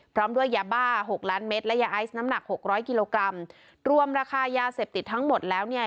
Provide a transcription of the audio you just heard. พร้อมด้วยยาบ้าหกล้านเม็ดและยาไอซ์น้ำหนักหกร้อยกิโลกรัมรวมราคายาเสพติดทั้งหมดแล้วเนี่ย